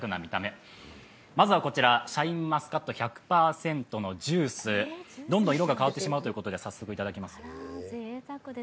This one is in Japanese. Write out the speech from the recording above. まずはこちら、シャインマスカット１００％のジュース、どんどん色が変わってしまうということで早速いただきます。